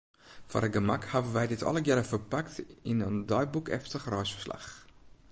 Foar it gemak hawwe wy dit allegearre ferpakt yn in deiboekeftich reisferslach.